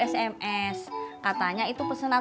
sms katanya itu pesenan